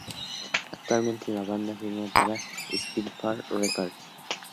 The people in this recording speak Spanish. Actualmente la banda firma para Spinefarm Records.